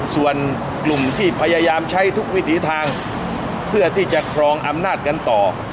ส่วนกลุ่มที่พยายามใช้ทุกวิถีทางเพื่อที่จะครองอำนาจกันต่อ